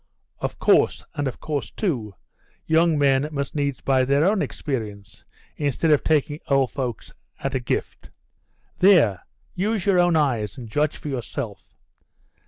Of course, and of course, too, young men must needs buy their own experience, instead of taking old folks' at a gift. There use your own eyes, and judge for yourself.